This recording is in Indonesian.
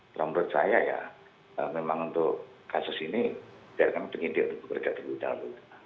menurut saya ya memang untuk kasus ini biarkan penyidik bekerja dulu dulu